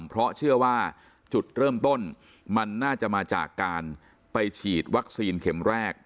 เพราะเชื่อว่าจุดเริ่มต้นมันน่าจะมาจากการไปฉีดวัคซีนเข็มแรก